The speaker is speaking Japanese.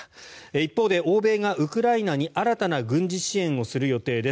一方で欧米がウクライナに新たな軍事支援をする予定です。